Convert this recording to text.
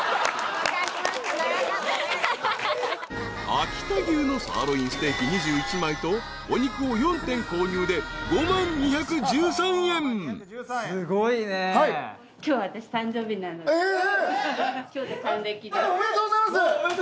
［秋田牛のサーロインステーキ２１枚とお肉を４点購入で５万２１３円］えっ！？